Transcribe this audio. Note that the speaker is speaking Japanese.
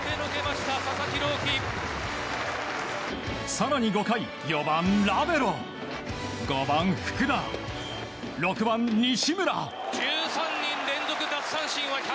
更に５回、４番、ラベロ５番、福田６番、西浦。